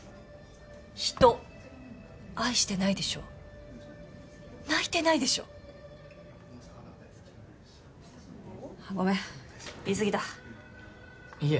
人愛してないでしょ泣いてないでしょあっごめん言いすぎたいえ